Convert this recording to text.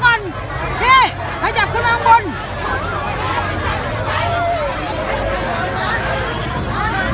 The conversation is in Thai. ก็ไม่มีเวลาให้กลับมาเท่าไหร่